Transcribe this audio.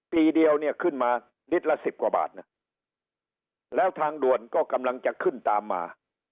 ปีเดียวเนี่ยขึ้นมาลิตรละสิบกว่าบาทนะแล้วทางด่วนก็กำลังจะขึ้นตามมา